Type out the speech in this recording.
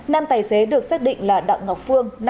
nam tài xế được xác định là đặng ngọc phương